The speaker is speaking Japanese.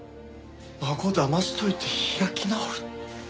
孫騙しといて開き直る。